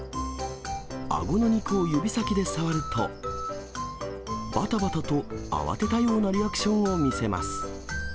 あごの肉を指先で触ると、ばたばたと慌てたようなリアクションを見せます。